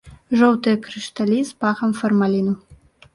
Жоўтыя крышталі з пахам фармаліну.